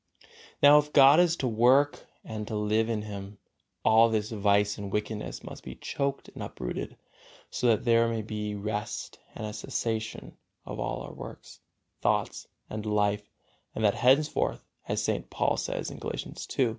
Now if God is to work and to live in him, all this vice and wickedness must be choked and up rooted, so that there may be rest and a cessation of all our works, thoughts and life, and that henceforth (as St. Paul says, Galatians ii.)